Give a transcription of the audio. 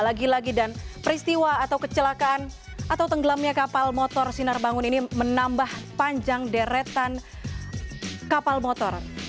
lagi lagi dan peristiwa atau kecelakaan atau tenggelamnya kapal motor sinar bangun ini menambah panjang deretan kapal motor